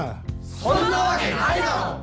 そんなわけないだろ！？